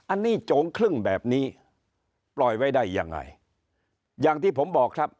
อันนี้โจงครึ่งแบบนี้ปล่อยไว้ได้ยังไงอย่างที่ผมบอกครับ